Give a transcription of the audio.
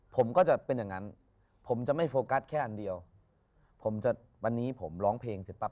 ผมก็จะเป็นอย่างนั้นผมจะไม่โฟกัสแค่อันเดียวผมจะวันนี้ผมร้องเพลงเสร็จปั๊